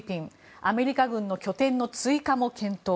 アメリカ軍の拠点の追加も検討。